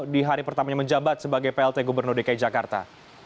di hari pertamanya menjabat sebagai plt gubernur dki jakarta